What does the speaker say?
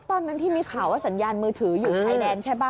ตอนนั้นที่มีข่าวว่าสัญญาณมือถืออยู่ชายแดนใช่ป่